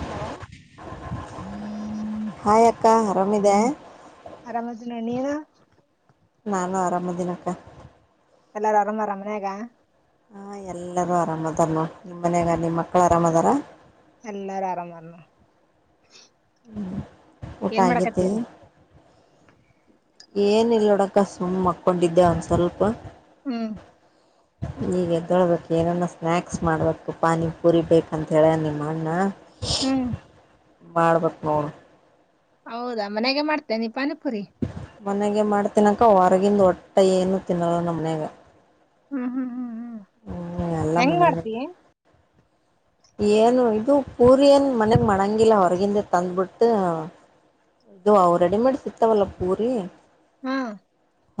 Hello? Hi ಅಕ್ಕ ಆರಾಮಿದೆ [inaudible] ಆರಾಮದಿನ ನೀನ? [inaudible] ನಾನು ಆರಾಮ ಅದಿನ ಅಕ್ಕ. [inaudible] ಎಲ್ಲಾರು ಆರಾಮ ಅದಾರ ಮನ್ಯಾಗ? [inaudible] ಹಾ ಎಲ್ಲರೂ ಆರಾಮ ಅದಾರ ನೋಡ ನಿಮ್ಮ ಮನ್ಯಾಗ ನಿಮ್ಮ ಮಕ್ಕಳು ಆರಾಮ ಅದಾರ? [inaudible] ಎಲ್ಲಾರು ಆರಾಮ ಅದಾರ ನೋಡ. [inaudible] ಹು ಊಟ ಆಗೇತಿ? [inaudible] ಏನ್ ಇಲ್ಲ ನೋಡಕ ಸುಮ್ಮ ಮಕ್ಕೊಂಡಿದ್ದೆ ಒಂದ ಸ್ವಲ್ಪ. [inaudible] ಹೂ ಈಗೆ ಎದ್ದೊಳ್ಬೇಕು ಏನಾನ ಸ್ನ್ಯಾಕ್ಸ್ ಮಾಡ್ಬೇಕು ಪಾನಿ ಪೂರಿ ಬೇಕಂತ ಹೇಳ ಯಾನ್ ನಿಮ್ಮ ಅಣ್ಣ? [inaudible] ಹ್ಮ್ ಮಾಡ್ಬೇಕ ನೋಡ. ಹೌದಾ ಮನೆಯಾಗ ಮಾಡತಿ ನೀ ಪಾನಿಪುರಿ? ಮನೆಗೆ ಮಾಡತಿ ನೀ ಅಕ್ಕ ಹೊರಗಿಂದ ಒಟ್ಟ ಏನು ತಿನ್ನಲ್ಲ ನಮ್ಮ ಮನ್ಯಾಗ. [inaudible] ಹು ಹು ಹು ಹೂ ಎಲ್ಲಾ ಮನ್ಯಾನಂದ. [inaudible] ಏನು ಇದು ಪೂರಿ ಏನ್ ಮನೆಗ್ ಮಾಡಂಗಿಲ್ಲ ಹೊರಗಿಂದ ತಂದ್ಬಿಟ್ಟ. [inaudible] ಇದು ಅವು ರೆಡಿ ಮೇಡ ಸಿಗತಾವಲ್ಲ ಪೂರಿ? [inaudible] ಹಾ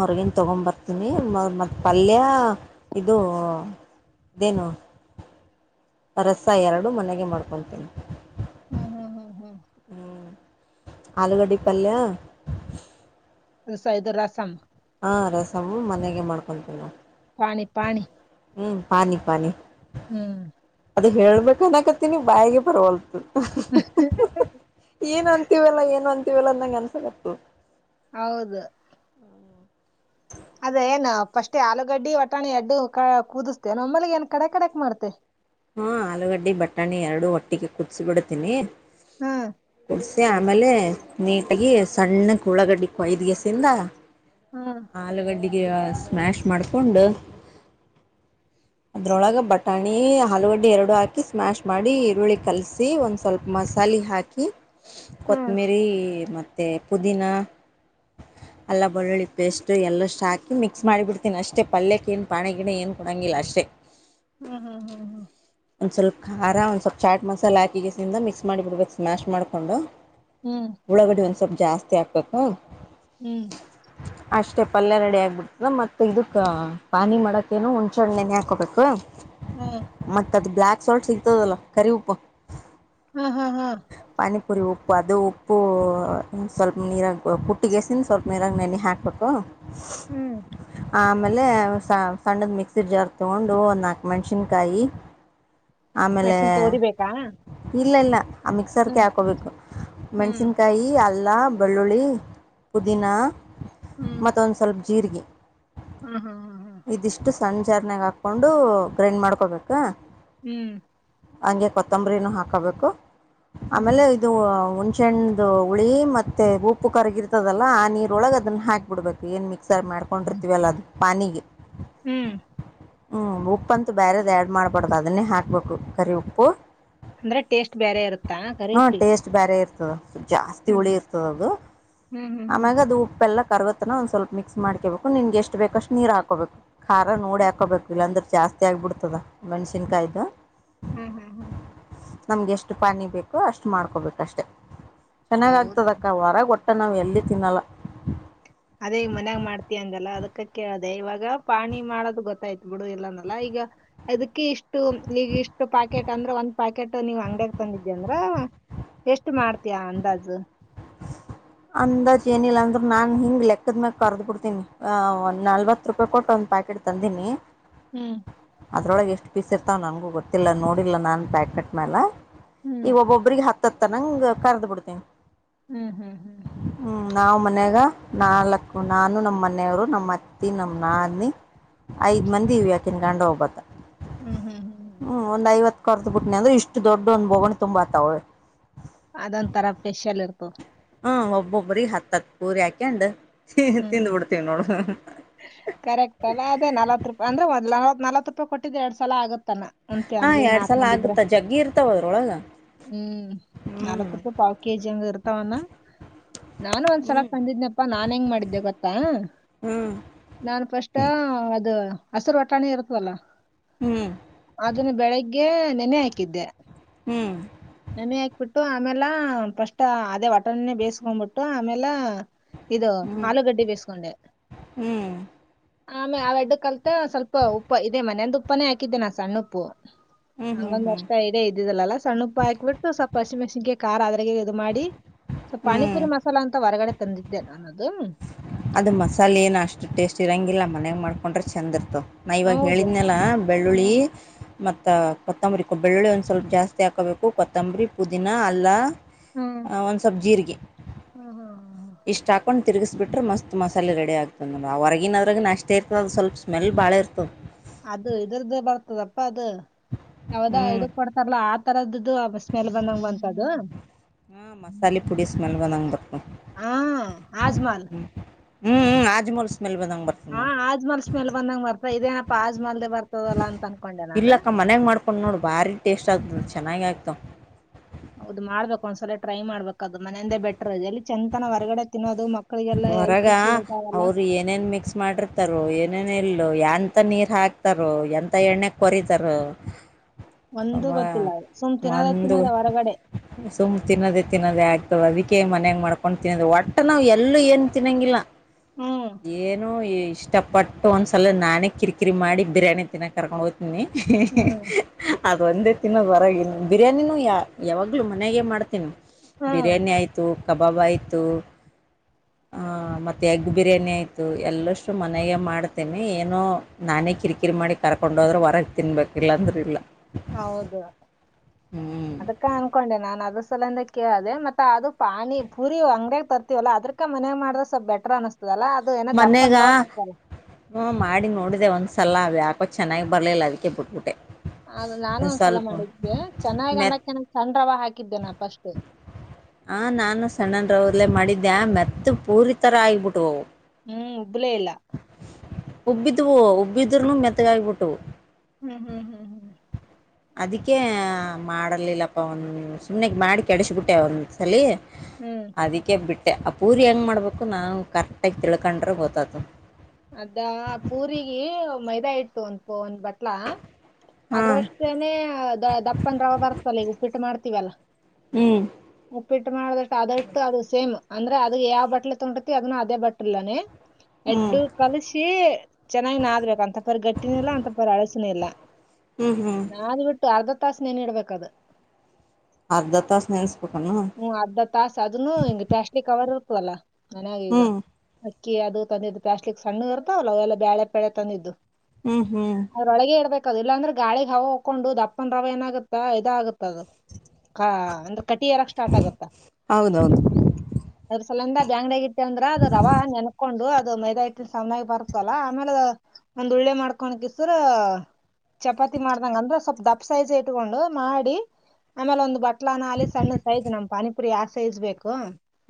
ಹೊರಗಿಂದ ತಗೊಂದ ಬರ್ತೀನಿ ಮ ಮತ್ತ ಪಲ್ಯ ಇದು [inaudible] ದೀನು ರಸಾ ಎರಡು ಮನೆಗೆ ಮಾಡ್ಕೊತೀನಿ. [inaudible] ಹು ಹು ಹು ಹೂ ಆಲೂಗಡ್ಡಿ ಪಲ್ಯ? [inaudible] ರಸಾ ಇದು ರಸಂ. ಹಾ ರಸಮ್ಮ ಮನೆಗೆ ಮಾಡ್ಕೊತೀವಿ ನಾವ [inaudible] ಪಾನೀ ಪಾನೀ ಹ್ಮ್ ಪಾನಿ ಪಾನಿ ಹ್ಮ್ ಅದ ಹೇಳ್ಬೇಕನ್ಕತ್ತನಿ ಬಾಯಿಗೆ ಪರವಲ್ತ ಹ ಏನ್ ಅಂತಿವವಲ್ಲಾ ಏನ್ ಅಂತಿವವಲ್ಲ ಅಂದಗೆ ಅನ್ಸಾಗತ್ತು ಹೌದು ಹ್ಮ ಅದ ಏನ್ ಪಫಸ್ಟ್ೇ ಆಲೂಗಡ್ಡಿ ಒಟಾಣಿ ಅಡ್ಡು ಕ ಕುದಿಸ್ತೆ ನಮ್ಮಲ್ಲಿ ಏನ್ ಕಡೆ ಕಡೆಕ್ ಮಾಡ್ತೆ ಹ್ಮ ಆಲೂಗಡ್ಡೆ ಬಟಾಣಿ ಎರಡು ಒಟ್ಟಿಗೆ ಕುದಸ ಬಿಿಡ್ತೀನಿ ಹ್ಮ ಕುಡಿಸಿ ಆಮೇಲೆ ನೀಟಾಗಿ ಸಣ್ಣ ಉಳ್ಳಾಗಡ್ಡಿ ಕೊಐದು ಗಸಿಂದ ಹ್ಮ್ ಆಲೂಗಡ್ಡಿಗೆ ಸ್ಮ್ಯಾಶ್ ಮಾಡ್ಕೊಂಡು [inaudible] ಅದ್ರೊಳಗ ಬಟಾಣಿ ಆಲೂಗಡ್ಡೆ ಎರಡು ಹಾಕಿ ಸ್ಮ್ಯಾಶ್ ಮಾಡಿ ಈರುಳ್ಳಿ ಕಲಸಿ ಒಂದ್ ಸ್ವಲ್ಪ ಮಸಾಲೆ ಹಾಕಿ ಹ್ಮ್ ಕೊತ್ತಂಬಿರಿ ಮತ್ತೆ ಪುದೀನಾ ಎಲ್ಲ ಬಳ್ಳಳ್ಳಿ ಪೇಸ್ಟು ಎಲ್ಲಷ್ಟು ಹಾಕಿ ಮಿಕ್ಸ್ ಮಾಡಿಬಿಡ್ತೀನಿ ಅಷ್ಟೇ ಪಲ್ಯಕ್ಕ ಏನು ಪಾಣ ಗಿಡ ಏನು ಕೊಡೋಂಗಿಲ್ಲ ಅಷ್ಟೇ ಹಾ ಹಾ ಹಾ ಹಾ ಒಂದು ಸ್ವಲ್ಪ ಖಾರ ಒಂದು ಸ್ವಲ್ಪ ಚಾಟ್ ಮಸಾಲೆ ಹಾಕಿಗೆಸಿಂದ ಮಿಕ್ಸ್ ಮಾಡಿ ಬಿಡ್ಬೇಕು ಸ್ಮ್ಯಾಶ್ ಮಾಡ್ಿಕೊಂಡು ಹ್ಮ್ ಉಳ್ಳಗಡೆ ಒಂದು ಸ್ವಲ್ಪ ಜಾಸ್ತಿ ಹಾಬೇಕಾ ಹ್ಮ್ ಅಷ್ಟೇ ಪಲ್ಯ ರೆಡಿ ಆಗ್ಬಿಡ್ತದ ಮತ್ತು ಇದಕ್ಕೆ ಪಾನಿ ಮಾಡೋಕ್ಕೇನು ಹುಣ್ಚ್ಣೆನೇ ಹಾಕೋಬೇಕು ಹ್ಮ ಮತ್ತ ಅದ್ ಬ್ಲ್ಯಾಕ್ ಸಾಲ್ಟ್ ಸಿಗ್ತದಲ್ಲ ಕರಿ ಉಪ್ಪು ಹಾ ಹಾ ಹಾ ಪಾನಿಪುರಿ ಉಪ್ಪು ಅದು ಉಪ್ಪು ಸ್ವಲ್ಪ ನೀರಾಗ ಕುಟ್ಟಿಗೆಸಿನ ಸ್ವಲ್ಪ ನೀರಾಗ ನೆನೆ ಹಾಕಬೇಕು ಹ್ಮ್ ಆಮೇಲೆ ಸ ಸಣ್ಣದ ಮಿಕ್ಸಿರ್ ಜಾರ್ ತೊಗೊಂಡು ಒಂದು ನಾಲ್ಕು ಮೆಣಸಿನ್ಕಾಯಿ ಆಮೇಲೆ ಮೆಣಸಿನ್ಕಾಯಿ ಉರಿಬೇಕಾ ಇಲ್ಲ ಇಲ್ಲ ಆ ಮಿಕ್ಸರ್ಗೆ ಹ್ಮ್ ಹಾಕೋಬೇಕು ಹ್ಮ್ ಮೆಣ್ಸಿನ್ಕಾಯಿ ಅಲ್ಲ ಬೆಳ್ಳುಳ್ಳಿ ಪುದೀನ ಮತ್ತೊಂದು ಸ್ವಲ್ಪ ಜೀರಿಗೆ ಹಾ ಹಾ ಹಾ ಇದಿಷ್ಟು ಸಣ್ಣಜಾರಣ್ಯಾಗ ಹಾಕೊಂಡು ಗ್ರೈಂಡ್ ಮಾಡ್ಕೊಬೇಕ ಹ್ಮ್ ಹಂಗೆ ಕೊತ್ತಂಬರಿನ ಹಾಕೋಬೇಕು ಹ್ಮ್ ಆಮೇಲೆ ಇದು ಹುಣಸೇ ಹುಳಿ ಮತ್ತೆ ಉಪ್ಪು ಕರಗಿರ್ತದಲ್ಲ ಆ ನೀರೊಳಗೆ ಅದನ್ನ ಹಾಕ ಹಬ ಬಿಡ್ಬೇಕು ಏನ್ ಮಿಕ್ಸರ್ ಮಾಡ್ಕೊಂಡಿರ್ತವಲ್ಲ ಅದು ಪಾನಿಗೆ ಹ್ಮ್ ಹ್ಞೂ ಉಪ್ಪಂತೂ ಬೇರೆದು ಆ್ಯಡ್ ಮಾಡಬೊಡ್ದು ಅದನ್ನೇ ಹಾಕ್ಬೇಕು ಕರಿ ಉಪ್ಪು. ಅಂದ್ರೆ ಟೇಸ್ಟ್ ಬೇರೆ ಇರುತ್ತಾ ಹ್ಞೂ ಕರಿಪಿ. ಟೇಸ್ಟ್ ಬೇರೆ ಇರ್ತದೆ ಜಾಸ್ತಿ ಹ್ಮ್ ಹುಳಿ ಇರ್ತದ ಅದು ಹ್ಮ್ ಹ್ಮ್ ಹ್ಮ್ ಆಮ್ಯಾಗ ಅದು ಉಪ್ಪೆಲ್ಲ ಕರಗ. ನ ಒಂದ ಸ್ವಲ್ಪ ಮಿಕ್ಸ್ ಮಾಡಕಬೇಕು ನಿನ್ಗೆ ಎಷ್ಟ ಬೇಕಷ್ಟು ನೀರು ಹಾಕೋಬೇಕು. ಖಾರ ನೋಡಿ ಹಾಕೋಬೇಕು ಇಲ್ಲಾಂದ್ರೆ ಜಾಸ್ತಿ ಆಗ್ಬಿಡ್ತದ ಮೆಣ್ಸಿನ್ಕಾಯ್ದು ಹ್ಮ್ ಹ್ಮ್ ಹ್ಮ್ ನಮ್ಗೆ ಎಷ್ಟು ಪಾನಿ ಬೇಕೋ ಅಷ್ಟು ಮಾಡ್ಕೋಬೇಕಷ್ಟೆ ಹೌದಾ ಚೆನ್ನಾಗ್ತದ ಅಕ್ಕ ಹೊರಗ ಒಟ್ಟ ನಾವು ಎಲ್ಲಿ ತಿನ್ನಲ್ಲ ಅದೇ ಈಗ ಮನ್ಯಾಗ ಮಾಡ್ತಯ ಅಂದಲ್ಲಾ ಅದಕ್ಕ ಕೇಳ ಅದೆೇ ಇವಾಗ ಪಾನಿ ಮಾಡೋದು ಗೊತ್ತಾಯ್ತು ಬಿಡು ಇಲ್ಲಂದಲ್ಲ ಈಗ ಅದಕ್ಕೆ ಇಷ್ಟು ನೀಗ ಇಷ್ಟು ಪಾಕೆಟ್ ಅಂದ್ರ ಒಂದ್ ಪಾಕೆಟ್ ನೀವ್ ಅಂಗಡ್ಯಾಗ್ ತಂದಿದ್ದಿ ಅಂದ್ರ ಎಷ್ಟು ಮಾಡ್ತೀಯ ಅಂದಾಜು [inaudible] ಅಂದಾಜ್ಏನಿಲ್ಲ ಅಂದ್ರರು ನಾನ್ ಹಿಂಗ್ ಲೆಕ್ಕದ ಮ್ಯಕ್ ಕರ್ದ್ ಬಿಡ್ತನಿ ಅ ಒಂದ್ ನಲ್ವತ್ ರೂಪಾಯಿ ಕೊಟ್ಟ ಒಂದ್ ಪ್ಯಾಕೆಟ್ ತಂದಿನಿ ಹ್ಮ್ ಅದರೊಳಗೆ ಎಷ್ಟು ಪೀಸ್ ಇರ್ತಾವೆ ನನಗೂ ಗೊತ್ತಿಲ್ಲ ನೋಡಿಲ್ಲ ನಾನು ಪ್ಯಾಕೆಟ್ ಮೇಲೆ ಹ್ಮ್ ಈಗ ಒಬ್ಬೊಬ್ರಿಗೆ ಹತ್ತತ್ತ ತನಂಗ ಕರ್ದ ಬಿಡ್ತೆೇನೆ ಹ್ಮ್ ಹ್ಮ್ ಹ್ಮ್ ಹ್ಮ್ ನಾವ್ ಮನ್ಯಾಗ ನಾಲ್ಕ್ಕು ನಾನು ನಮ್ಮ ಮನೆಯವರು ನಮ್ಮ್ ಅತ್ತಿ ನಮ್ ನಾದಿನಿ ಐದ್ ಮಂದಿ ಇವೆ ಆಕಿ ಗಂಡ ಒಬತ್ತ ಹ್ಮ್ ಹ್ಮ್ ಹ್ಮ್ ಹ್ಮ್ ಹ್ಮ್ ಒಂದ್ಐವತ್ತು ಕರ್ದ ಬ ಬಿಟ್ನಿ ಅ್ರ ಇಷ್ಟು ದೊಡ್ಡ ಒಂದ ಬೋಗೋ್ ತುಂಬಾತಾವಳೆ. ಅದೊಂ ತರ ಪಪೆಷಲ್ ಇರ್ತ. ಹ್ಮ ಒಬ್ಬೊಬ್ರ ಹತ್ತ್ ಪೂರಿ ಹಾಕಂಡ್ ತಿಂದ್ ಬಿಡ್ತೇವಿ ನೋಡು ಕರೆಕ್ಟ್ ಅಲ್ಲ ಅೇ ನಲ್ತ್ ರೂಪಾಯಿ ಅಂದ್ರೆ ಒ್ ನ ನಲ್ವತ್ ರೂಪಾಯಿ ಕೊಟ್ಟಿದ್ರೆ ಎರಡ್ ಸಲ ಆಗತ್ತಲ್ಲ ಒಂದ್ ಫ್ಯಾಮಿಲಿ ನಾಕನಂದಿದ್ರ ತೊಳಗ ಹ್ಮ್ ನಾಕ ರೂಪಾಯಿ ಪಾವ ಕೆಜಿ ಅಂಗ ಇತಾವಣ ನಾನು ಹ್ಮ್ ಒಂದ್ಸಲ ತಂದಿದನಪ್ಪಾ ನಾ ಹೆಂಗ್ ಮಾಡಿದ್ದೆ ಗೊತ್ತಾ ಹ್ಮ್ ನಾನ್ ಫಸ್ಟ್ ಅದು ಹಸಿರು ಒಟ್ಟಾಣಿ ಇರುತವಲ್ಲ ಹ್ಮ್ ಅದನ್ನ ಬೆಳಗ್ಗೆ ನೆನೆ ಹಾಕಿದ್ದೆ ಹ್ಮ್ ನನೆ ಹಾಕ್ಬಿಟ್ಟು ಆಮೇಲೆ ಫಸ್ಟ್ ಅದೇ ಒಟಣೇ ಬೇಯಸ್ಕೊ್ಬಿಟ್ಟು ಆಮೇಲೆ ಇದು ಹ್ಮ್ ಹ್ಮ್ ಆಲೂಗಡ್ಡಿ ಬೇಿಸಕೊಂಡೆ ಆಮೇ ಆ ವಡ್ಡ ಕಲ್ತ ಸ್ವಲ್ಪ ಉಪ್ಪ ಇದೆ ಮನೆಯಂದ ಉಪ್ಪಾನೇ ಹಾಕಿದ್ದೆ ನಾ ಸಣ್ಣ ಉಪ್ಪು ಹ್ಮ್ ಹ್ಮ್ ಹಂಗೊಂದ್ ಹ್ಮ್ ಅಷ್ಟ ಎಡ ಇದ್ದಿದಲ್ಲಲ್ಲಾ ಸಣ್ಣ ಉಪ್ಪ ಹಾಕ್ಬಿಟ್ಟು ಸ್ವಲ್ಪ ಹಸಿ ಮೆಣಸಿಿಗೆ ಾರ ಅದ್ರಾಗ ಇದು ಮಾಡಿ ಸ್ವಲ್ ಹ್ಮ್ ಪಿಪುರಿ ಮಸಾಲಾ ಅಂತ ಹೊರಗಡೆ ತಂದಿದ್ದೆ ಅನ್ನೋದು ಅದು ಮಸಾಲೆ ಏನು ಅಷ್ಟು ಟೇಸ್ಟ್ ಇರಂಗಿಲ್ಲ ಮನೆಯಾಗ ಮಾಡ್ಕೊಂಡ್ರೆ ಚಂದ ಇರ್ತವೆ ನಾ ಇವಾಗ ಹೌದು ಹೇಳಿದ್ನೆೆಲ್ಲ ಬೆಳ್ಳುಳ್ಳಿ ಹ್ಮ್ ಮತ್ತು ಕೊತ್ತಂಬರಿ ಕೊ ಬೆಳ್ಳುಳ್ಳಿ ಒಂದು ಸ್ವಲ್ಪ ಜಾಸ್ತಿ ಹಾಕೋಬೇಕು ಕೊತ್ತಂಬರಿ ಪುದೀನ ಅಲ್ಲ ಹ್ಮ್ ಒಂದ್ಸಬ್ ಜೀರಿಗೆ ಹ್ಮ್ ಹ್ಮ್ ಇಷ್ಟ ಹಾಕೊಂಡ್ ತಿರುಗಿಸಬಿಟ್ರೆ ಮಸ್ತ್ ಹಷ್ಟ ಮಸಾಲ ರೆಡಿ ಆಗ್ತದೆ ನಮಡಿ ಆ ಹೊರಗಿನ ಅದ್ರೆ ಅಷ್ಟ ಇರ್ತದೆ ಅದು ಸ್ವಲ್ಪ ಸ್ಮೆಲ್ ಭಾಳ ಇರ್ತದೆ ಅದು ಇದ್ರದ್ದ ಬರ್ತದಪ್ಪ ಅದು ಯಾವದ ಹ್ಮ್ ಇದ ಕೊಡ್ತಾರಲ್ಲ ಆ ತರದು ಬಸ್ ಮೇಲೆ ಬಂದಂಗ ಬಂತದು ಹಾ ಮಸಾಲೆ ಪುಡಿ ಸ್ಮೆಲ್ ಬಂದಂಗ್ ಬರ್ತದ ಹ್ಮ ಆಜಮಲ್ ಹ್ಮ್ ಹ್ಮ್ ಹ್ಮ್ ಆಜ್ಮೂಲ್ ಸ್ಮೆಲ್ ಬದಂಗಗೆ ಬರ್ತ ಹಾ ಆಜ್ಮಲ್ ಸ್ಮೆಲ್ ಬಂದಂಗ ಬರ್ತ ಇದೇನಪ್ಪಾ ಆಜ್ಮಲ್ದ ಬರ್ತದಲ್ಲಾ ಅಂತ ಅನ್ಕೊಂಡೆ ನಾನು ಕಕೊಂಡು ನೋಡು ಭಾರಿ ಟೇಸ್ಟ್ ಆಗ್ತ ಚೆನ್ನಾಗ ಆಗ್ತವ ಹೌದು ಮಾಡ್ಬೇಕು ಒಂದ್ಸಲ ಟ್ರೈ ಮಾಡ್ಬೇಕ ಅದು ಮನೆಯಂದೇ ಬೆಟರ್ ಇದೆ ಎಲ್ಲಿ ಚಂತನ ಹೊರಗಡೆ ತಿನ್ನೋದು ಮ ಹೊರಗ ಅವರು ಏನೇನ್ ಮಿಕ್ಸ್ ಮಾಡ್ರ ತಾರ ಏನೇನ ಇಲ್ಲ ಎಂತ ನೀರ್ ಹಾಕ್ತಾರ ಎಂತ ಎಣ್ಣೆ ಕೊರತಾರ ಒಂದು ಗೊತ್ತಿಲ್ಲ ಅದು ಸುಮ್ ತಿನ್ನದ ಒಂದು ತಿನ್ನದ್ ಹೊರಗಡೆ ಸುಮ್ ತಿನ್ನದೇ ತಿನ್ನೋದೇ ಆಗ್ತವೆ ಅದಕ್ಕೆ ಮನ್ಯಾಗ್ ಮಾಡ್ಕೊಂಡು ತಿನ್ನೋದ್ ಒಟ್ಟೆ ನಾವು ಎ ಅಲ್ಲೂ ಏನು ತಿನ್ನಂಗಿಲ್ಲ ಹ್ಮ್ ಏನೋ ಇ ಇಷ್ಟಪಟ್ಟು ಒಂದ್ಸಲ ನಾನೇ ಕಿರಿಕಿರಿ ಮಾಡಿ ಬಿರಿಯಾನಿ ತಿನ್ನೋಕ್ ಕರ್ಕೊಂಡು ಹೋಗ್ತೀನಿ ಇಇಇ ಹ್ಮ್ ಅದ ಒಂದೇ ತಿಿನದ್ ಹೊರಗೆ ಬಿರಿಯಾನಿನೂ ಯ ಯಾವಾಗ್ಲುೂ ಮನೆಾಗೇ ಮಾಡ್ತೀನಿ ಹ್ಮ್ ಬಿರಿಯಾನಿ ಆಯಿತು ಕಬಾಬ್ ಆಯಿತು ಹ ಮತ್ತೆ ಎಗ್ ಬಿರಿಯಾನಿ ಆಯ್ತು ಎಲ್ಲಷ್ಟು ಮನೆಗೆ ಮಾಡ್ತೇನೆಿ ಏನೋ ನಾನೇ ಕಿರಿಕಿರಿ ಮಾಡಿ ಕರ್ಕೊಂಡ ಹೋದ್ರರು ಹೊರಗೆ ತಿನ್ಬೇಕಿಲ್ಲ ಅಂದ್ರ ಇಲ್ಲ ಹೌದು ಹ್ಮ್ ಅದಕ್ಕ ಅನ್ಕೊಂಡೆ ನಾನ್ ಅದ ಸಲಂದ ಕೇಳದೆೆ ಮತ್ತ ಅದು ಪಾಣಿ ಪೂರಿ ಅಂಗಡಿಯಾಗ ತರ್ತಿವಲ್ಲ ಅದ್ರ ಅಕ್ಕ ಮನೆ ಮಾಡ್ರ ಸ್ವಲ್ ಬೆಟ್ರ ಅಿಸಸ್ತದಲ್ಲ ಅದು ಏನ ದಪ್ಪ ಮನ್ಯಾಗ ಅಂದ್ರ ಹೋಗ ಆತಲ್ಲ ಹ್ಮ ಮಾಡಿ ನೋಡಿದೆ ಒಂದ್ಸಲ ಅ ಯಾಕೋ ಚೆನ್ನಾಗಿ ಬರ್ಲಿಲ್ಲ ಅದಕ್ಕೆ ಬಿಟ್ಬಿಟ್ಟೆ ಅ ನಾನು ಒಂದ್ ಒಂದ್ಸಲ ಸ್ವಲ್ಪ ಮಾಡಿದ್ದೆ ಚೆನ್ನಾಗ್ ಮೆತ್ ಅನ್ನಕ್ಕೆ ನ ಸಣ್ ರವ ಹಾಕಿದ್ದೇನಾ ಫಸ್ಟ್ ಆ ನಾನು ಸಣ್ಣನ್ರವ್ರಲೆೇ ಮಾಡಿದ್ದೆ ಆ ಮೆತ್ತ ಪೂರಿ ತರ ಆಗಿಬಿಟ್ುವವು ಹ್ಮ್ ಹ ಒಬ್ಳೇ ಇಲ್ಲ ಉಬ್ಬಿದವು ಉಬ್ಬಿದ್ರನು ಮೆತ್ತಗಾಗಿ್ಬಿಟ್ಟು ಹ್ಮ್ ಹ್ಮ್ ಹ್ಮ್ ಹ್ಮ್ ಅದಕ್ಕೆೇ ಮಾಡಲಿಲ್ಲಪ್ಪ ಒನ್ ಸುಮ್ನೆಗ್ ಮಾಡಿ ಕೆಡಸಬಿಟ್ಟೆ ಒಂದ್ ಸಲ ಹ್ಮ್ ಅದಕ್ಕೆ ಬಿಟ್ಟೆ ಆ ಪೂರಿ ಹೆಂಗ್ ಮಾಡ್ಬೇಕು ನಾನು ಕರೆಕ್ಟಾಗಿ ತಿಳ್ಕೊಂಡ್ರೆ ಗೊತ್ತಾತು ಅದಾ ಪೂರಿಗೆ ಮೈದಾ ಇಟ್ಟು ಒಂದ ಒಂದ್ ಬಟ್ಲಾ ಹಾಂ ಅದ್ರಷ್ಟೇನೆೇ ದ ದಪ್ಪನ್ ರವ ಬರ್ತಲ್ಲ ಈಗ ಉಪ್ಪಿಟ್ಟು ಮಾಡ್ತೀಲ್ಲ ಹ್ಮ್ ಉಪ್ಪಿಟ್ಟು ಮಾಡದಷ್ಟು ಅದಷ್ಟು ಅದು ಸೇಮ್ ಅಂದ್ರೆ ಅದ್ ಯಾವ ಬಟ್ಲೋ ತೊಂಬಿತಿ ಅದನ್ನು ಅದೇ ಬಟ್ಲನೇ ಹ್ಞೂ ಎರಡ್ಡು ಕಲಸಿ ಚೆನ್ನಾಗಿ ನಾದಬೇಕು ಅಂತಪರ್ ಗಟ್ಟಿನಿಲ್ಲ ಅಂತಪರ ಅಳಸಿನ ಇಲ್ಲ ಹ್ಮ್ ಹ್ಮ್ ನಾದ್ಬಿಟ್ಟು ಅರ್ಧ ತಾಸ್ ನೆನ ಇಡ್ಬೇಕ ಅದು ಅರ್ಧ ತಾಸ ನೆನೆಸ್ಬೇಕನೊ ಹ್ಮ ಅರ್ಧದ ತಾಸ್ ಅದನ್ನು ಹಿಂಗ ಪ್ಲಾಸ್ಟಿಕ್ ಕವರ್ ಇರ್ತವಲ್ಲ ನನಾಗ ಈಗ ಹ್ಞೂ ಅಕ್ಕಿ ಅದು ತಂದಿದ್ದು ಪ್ಲಾಸ್ಟಿಕ್ ಸಣ್ಣು ಇರ್ತಾವಲ್ಲ ಅವೆಲ್ಲ ಬ್ಯಾಳೆಪ್ಯಾಳೆ ತಂದಿದ್ದು ಹ್ಮ್ ಹ್ಮ್ ಒಳಗೆ ಇಡ್ಬೇಕ ಅದು ಇಲ್ಲಾಂದ್ರೆ ಗಾಳಿಗೆ ಹವವು ಹಕೊಂಡು ದಪ್ಪನ್ ರವ ಏನಾಗುತ್ತಾ ಇದ ಆಗುತ್ತ ಅದು ಹಾ ಅಂದ್ರೆ ಕಟಿರಕ್ ಸ್ಟಾರ್ಟ್ ಆಗುತ್ತ ಹೌದೌದು ಅದ್ರ ಸಲಂದ ಬ್ಯಾಂಗ್ಡಗ ಅಂದ್ರ ಅದು ರವ ನನ್ಕೊಂಡು ಅದು ಮೈದ ಇಟ್ ಚೆನ್ನಾಗಿ ಬರ್ತಲ್ಲಾ ಆಮೇಲೆ ಒಂದ್ ಒಳ್ಳೆ ಮಾಡ್ಕೊ ಕಸ್ರ ಚಪಾತಿ ಮಾಡ್ದಂಗ ಅಂದ್ರ ಸ್ವಲ್ಪ ದಪ್ಪ ಸೈಜ ಇಟ್ಕೊಂಡು ಮಾಡಿ ಆಮೇಲೆ ಒಂದು ಬಟ್ಲ ನಾಲಿ ಸಣ್ಣ ಆಯ್ ನ ಪನಿಪುರಿ ಯಾವ ಸೈಜ್ ಬೇಕು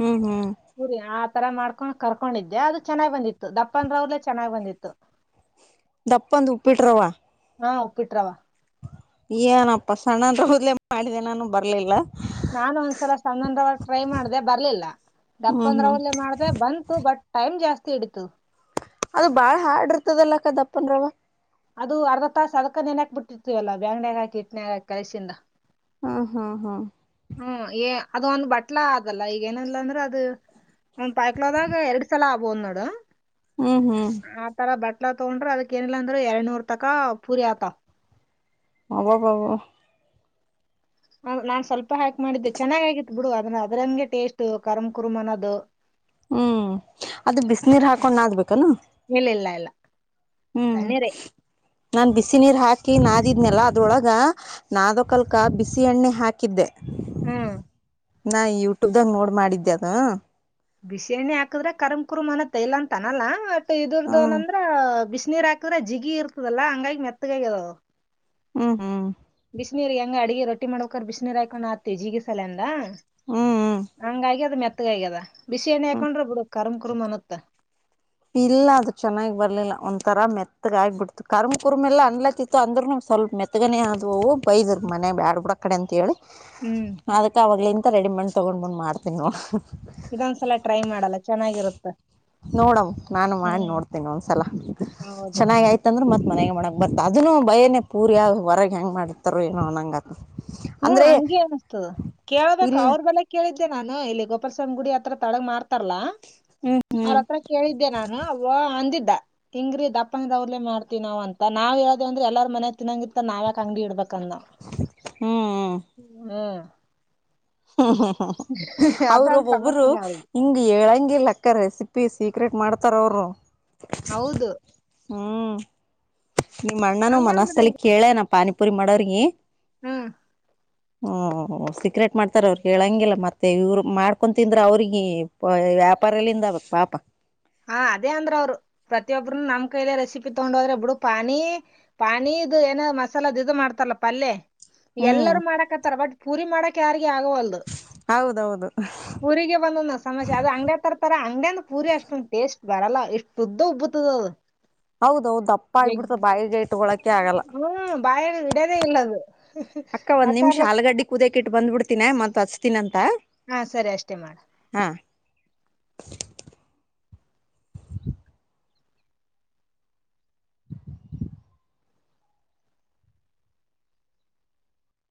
ಹ್ಮ್ ಹ್ಮ್ ಪುರಿ ಆ ತರ ಮಾಡ್ಕೊಂಡ್ ಕರ್ಕೊಂಡಿದ್ದೆ ಅದು ಚನ್ನಾಗ್ ಬಂದಿತ್ತು ದಪ್ಪಂದ್ರ ಅವ್ಲೆೇ ಚೆನ್ನಾಗ್ ಬಂದಿತ್ತು [inaudible] ದಪ್ಪಂದ ಉಪ್ಪಿಟ್ರವ. ಹಾ ಉಪ್ಪಿಟ್ರವ. ಏನಪ್ಪ ಸಣ್ಣದ ರವ್ದ್ಲೆ ಮಾಡಿದೆ ಬರ್ಲಿಲ್ಲ. ನಾನು ಒಂದ್ಸಲ ಸಣ್ಣಂದ್ರಾಗ ಟ್ರೈ ಮಾಡ್ದ ಬರ್ಲಿಲ್ಲ. ದಪ್ಪ ಹ್ಞೂ ಅಂದ್ರ ಹ್ಞೂ ಒಲ್ಲೆ ಮಾಡ. ಬಂತು ಬಟ್ ಟೈಮ್ ಜಾಸ್ತಿ ಇಡಿತದ. ಅದು ಬಾಳ್ ಹಾರ್ಡ್ ಇರ್ತದಲ್ಲ ಅಕ್ಕ ದಪ್ಪನ್ ರವ್. ಅದು ಅರ್ಧ ತಾಸ ಅದಕ್ಕ ನೆನ ಹಾಕ್ ಬಿಟ್ಟಿತಿವಲ್ಲ ಬ್ಯಾಂಗಣ್ಯ ಹಾಕಿ ಇಟ್ನಾಗ ಹಾಕಿ ಕಲ್ಸಿಂದ ಹಾ, ಹಾ, ಹಾ ಹ್ಮ ಏ ಅದ ಒಂದ ಬಟ್ಲಾ ಅದಲ್ಲ ಈಗ ಏನೀಲ್ಲ ಅಂದ್ರ ಅದು. ಒನ್ ಪಾವಕಿಂದ್ಗ ಎರಡು ಸಲ ಆಬೋದ್ ನೋಡ್. ಹ್ಮ್, ಹ್ಮ್ ಆತರ ಬಟ್ಲಾ ತಗೊಂಡ್ರೆ ಅದಕ್ಕ ಏನಿಲ್ಲ ಅಂದ್ರ ಎರಡ್ನೂರ್ ತಕ ಪೂರಿ ಆತವ್. [inaudible] ನಾನ್ ಸ್ವಲ್ಪ ಹಾಕ್ ಮಾಡಿದ್ದೆ ಚೆನ್ನಾಗ ಆಗಿತ್ ಬಿಡು ಅದ್ನ ಅದ್ರಗೆ ಟೇಸ್ಟ್ ಕರ್ಮ ಕುರುಂ ಅನ್ನೋದು. ಹ್ಮ್ ಅದು ಬಿಸಿನೀರ್ ಹಾಕೊಂಡ ನಾದ್ಬೇಕಾನು. ಇಲ್ಲಿಲ್ಲ. ಹ್ಮ್ ನಾನ್ ಬಬಿಸಿ ನೀರ್ ಹಾಕಿ ನಾದಿದ್ನೆಲ್ಲಾ ಅದ್ರೊಳ್ಗ ನಾದಕಲ್ಕ ಬಿಸಿ ಎಣ್ಣೆ ಹಾಕಿದ್ದೆ. ಹ್ಮ್. ನಾ ಯೂಟ್ಯೂಬ್ದಾಗ ನೋಡ್ ಮಾಡಿದ್ದೆ ಅದು. ಬಿಸಿ ಎಣ್ಣಿ ಹಾಕದ್ರೆ ಕರ್ಮ ಕುರುಮ್ ಅನತ್ ಇಲ್ಲ ಅಂತ ಅನಲ್ಲ ಬಟ್ ಇದರ್ದು ಹ್ಮ್ ಏಂದ್ರ ಬಿಸಿನೀರ್ ಹಾಕ ಕ್ದರೆ ಜಿಗಿ ಇರ್ತದಲ್ಲ ಹಂಗಾಗಿ ಮೆತ್ತಗ ಆಗ್ಯಾದ ಅದ್. ಹ್ಮ್, ಹ್ಮ್ ಬಿಸಿನೀರ್ ಹೆಂಗ ಅಡಿಗೆ ರೊಟ್ಟಿ ಮಾಡ್ಬೇಕ್ರ ಬಿಸಿನೀರ್ ಹಾಕೊಂಡ್ ನಾದತಿವಿ ಜೀಗಿ ಸೆಲ್ನಂದ. ಹ್ಮ್ ಹ್ಮ್ ಹಂಗಾಗಿ ಅದ್ ಮೆತ್ತಗ ಆಗ್ಯದ ಬಿಸಿ ಎಣಿ ಹ್ಮ್ ಹಾಕೊಂಡ್ರ ಬಿಡ ಕರ್ಮ್ ಕುರ್ಮ್ ಅನತ್ತ. ಇಲ್ಲ ಅದು ಚೆನ್ನಾಗಿ ಬರ್ಲಿಲ್ಲ ಒಂಥರ ಮೆತ್ತಗಾಗಿ ಬಿಡ್ತ. ಕರ್ಮ್ ಕುರ್ಮ ಎಲ್ಲ ಅನ್ಲತಿತ್ತು ಅಂದ್ರರುನು ಸ್ವಲ್ಪ ಮೆತ್ಗನೆೇ ಆದವು ಅವು ಬೈದ್ರ ಮನೆಗ್ ಬ್ಯಾಡ್ ಬಿಡ ಅಕಡಿ ಅಂತ ಹೇಳಿ. ಹ್ಮ್, ಅದಕ್ಕೆ ಅವ್ಗಲಿಂತ್ ರೆಡಿಮೇಟ ತೊಗೊಂಡ್ ಬಂದ ಮಾಡ್ತೀನಿ ನೋಡ್. ಇದೊಂದ್ಸಲ ಟ್ರೈ ಮಾಡಲ್ಲ ಚೆನ್ನಾಗಿರುತ್ತ. ನೋಡಮ್ ನಾನು ಮಾಡಿ ನೋಡ್ತೇನೀ ಒಂದ್ಸಲ ಹೌದ ಚೆನ್ನ ಆಯ್ತಂದ್ರ ಮತ್ ಮನೆಗೆ ಮಾಡಕ್ ಬರ್ತ ಅದನು ಭಯನೆ ಪೂರಿಯ ಹೊರಗ್ಗೆ ಹೆಂಗ ಮಾಡ್ತಾರ ಏನೋ ನಂಗ ಹ್ಮ ಹಂಗೆ ಅನಿಸ್ತದ ಕೇಳಬೇಕ. ಇಲ್ಲಿ ಅವ್ರ ಬಲ್ಲೆ, ಕೇಳಿದ್ದೆ ನಾನು ಇಲ್ಲಿ ಗೋಪಾಲಸ್ವಾಮಿ ಗುಡಿ ಹತ್ರ ತಳಗ ಮಾರ್ಥಾರಲ್ಲ. ಹ್ಮ್ ಹ್ಮ್ ಅವ್ರತ್ರ, ಕೇಳಿದ್ದೆ ನಾನು ಅವ ಅಂದಿದ್ದ. ಹಿಂಗ್ರೀ ದಪ್ಪಾಂಗವ್ರಲೇ ಮಾಡ್ತಿ ನಾವ ಅಂತ ನಾವ್ ಹೇಳೋದೇ ಅ್ರ ಎಲ್ಲಾರ ಮನ ತಿನ್ನಂಗಿತ್ತ ನಾವ್ಯಾಕ್ ಅಂಗಡಿ ಇಡಬೇಕಂದ ಅವ್. ಹ್ಮ್, ಹ್ಮ್ [inaudible] ಹ್ಮ್ ಹ್ಮ್ ಹ್ಮ್ ಅವರು ಅದೊಂದ್ ಒಬ್ಬೊಬ್ರು, ಸಮಸ್ಯೆನೆ ಅವ್ರಿಗೆ ಹಿಂಗೆ ಏಳಂಗಿಲ್ಲ ಅಕ್ಕರೆ ರೆಸಿಪಿ ಸೀಕ್ರೆಟ್ ಮಾಡ್ತಾರ ಅವರು. ಹೌದು, ಹ್ಮ್ ನಿಮ್ಮ ಅಣ್ಣನೂ ಹಂಗಂದ್ರ ಮನರ್ಸ್ಸಲ್ಲಿ ಕೇಳೇನ ಪಾನಿಪುರಿ ಮಾಡವ್ರಗಿ. ಹ್ಮ್. ಹ್ಮ ಸೀಕ್ರೆಟ್ ಮಾಡ್ತಾರ ಅವ್ರ ಹೇಳಂಗಿಲ್ಲ ಮತ್ತೆ ಇವ್ರು ಮಾಡ್ಕೊ ತಿಂದ್ರ. ಅವ್ರಿಗೆ, ವ್ಯಾಪಾರ ಎಲ್ಲಿಂದ ಆಗ್ಬೇಕ ಪಾಪ. ಹಾ ಅದೇ ಅಂದ್ರ ಅವ್ರು ಪ್ರತಿಯೊಬ್ಬ್ರೂ ನಮ್ ಕೈಯಲೆ ರೆಸಿಪಿ ತಗೊಂಡ ಹೋದ್ರೆ ಒಬ್ಬಡು ಪಾನಿ ಪಾನಿ ಇದು ಏನ ಮಸಾಲದು ಇದು ಮಾಡ್ತಾರ ಪಲ್ಯ ಹ್ಮ್ ಎಲ್ಲರೂ ಮಾಡಕ್ತ್ತಾರ ಬಟ್ ಪೂರಿ ಮಾಡಕ್ ಯಾರಿಗ ಆಗೋ ಅಲ್ದು ಹೌದೌದು ಪೂರಿಗೆ ಬಂದ ಸಮಸ್ಯ ಅದು ಅಂಗಡ್ಯ ತರತರ ಅಂಗಡ್ಯಾನ ಪೂರಿ ಅಷ್ಟ ಉಂ ಟೇಸ್ಟ್ ಬರಲ್ಲ ಇಷ್ಟು ಉದ್ದ ಉಬ್ಬತದ ಅದು ಹೌದೌದು ದಪ್ಪ ಜಗ್ಗಿ ಆಗ್ಬಿಡ್ತ ಬಾಯಿಗೆ ಇಟ್ಕೊಳಕೆ ಆಗಲ್ಲ ಹ್ಮ್ ಬಾಯ ಇಡದೇ ಇಲ್ಲದು ಅಕ್ಕ ಒಂದ್ ನಿಮಿಷ ಆಲಗಡ್ಡಿ ಕೂುದಕ ಇಟ್ಟ ಬಂದಬ ಬಿಡ್ತಿನನೆ ಮತ್ ಹಚ್ತೀಿನ ಅಂತ ಹಾ ಸರಿ ಅಷ್ಟೇ ಮಾಡ ಹಾ